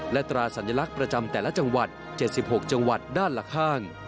และตราสัญลักษณ์ประจำแต่ละจังหวัด๗๖จังหวัดด้านละข้าง